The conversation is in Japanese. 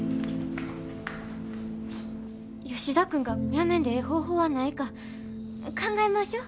吉田君がやめんでええ方法はないか考えましょ？